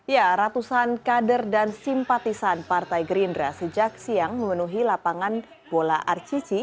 ya ratusan kader dan simpatisan partai gerindra sejak siang memenuhi lapangan bola arcici